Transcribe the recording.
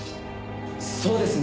そうですね。